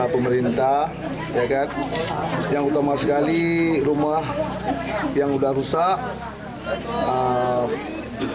pemerintah yang utama sekali rumah yang sudah rusak